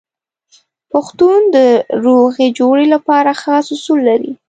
پښتون د روغې جوړې لپاره خاص اصول لري.